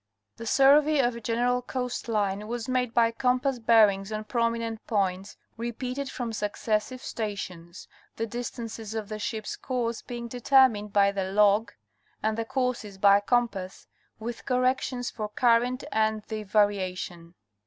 The survey of a general coast line was made by compass bear ings on prominent points, repeated from successive stations, the distances of the ship's course being determined by the log and the courses by compass, with corrections for current and the varia tion.